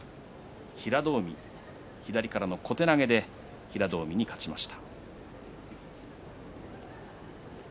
平戸海、左からの小手投げで勝ちました。